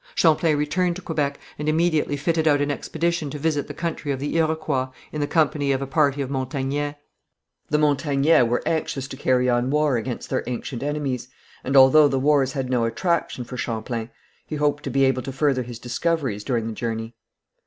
Champlain returned to Quebec, and immediately fitted out an expedition to visit the country of the Iroquois, in the company of a party of Montagnais. The Montagnais were anxious to carry on war against their ancient enemies, and although the wars had no attraction for Champlain, he hoped to be able to further his discoveries during the journey.